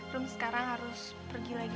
rum sekarang harus pergi lagi